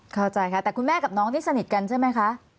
เข้าใจค่ะแต่คุณแม่กับน้องนี่สนิทกันใช่ไหมคะ